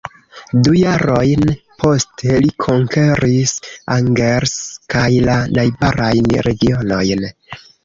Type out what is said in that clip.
Du jarojn poste, li konkeris Angers kaj la najbarajn regionojn.